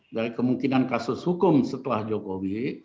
dari kemungkinan kasus hukum setelah jokowi